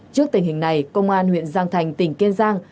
trước tình hình này công an huyện giang thành tỉnh kiên giang